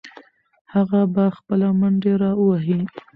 هغه به خپله منډې راوهي.